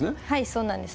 そうなんです。